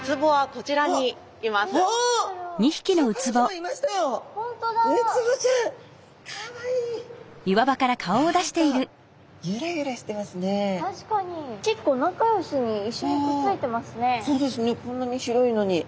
こんなに広いのに。